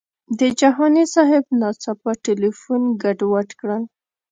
د جهاني صاحب ناڅاپه تیلفون ګډوډ کړل.